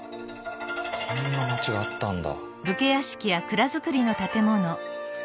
こんな町があったんだ。